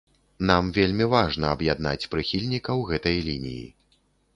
Нам вельмі важна аб'яднаць прыхільнікаў гэтай лініі.